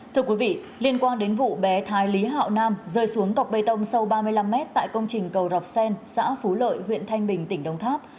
thưa quý vị liên quan đến vụ bé thái lý hạo nam rơi xuống cọc bê tông sâu ba mươi năm mét tại công trình cầu rọc sen xã phú lợi huyện thanh bình tỉnh đồng tháp